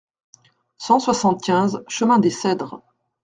cent soixante-quinze chemin des Cedres